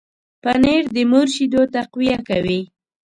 پنېر د مور شیدو تقویه کوي.